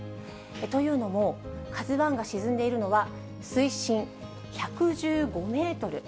というのも、カズワンが沈んでいるのは、水深１１５メートル。